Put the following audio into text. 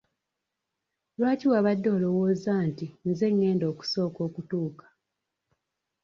Lwaki wabadde olwowooza nti nze ngenda okusooka okutuuka?